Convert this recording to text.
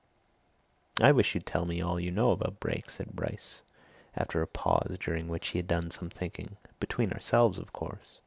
"I wish you'd tell me all you know about Brake," said Bryce after a pause during which he had done some thinking. "Between ourselves, of course."